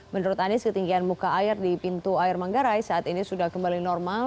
menurut anies ketinggian muka air di pintu air manggarai saat ini sudah kembali normal